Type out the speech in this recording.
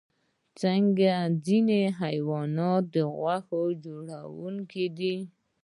ځینې حیوانات غوښه خوړونکي دي